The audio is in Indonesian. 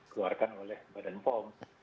keluarkan oleh badan pom